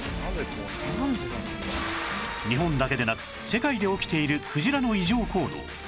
日本だけでなく世界で起きているクジラの異常行動